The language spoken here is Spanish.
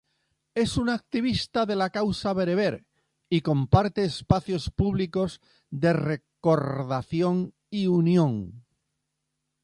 Es una activista de la causa bereber,y comparte espacios públicos de recordación y unión.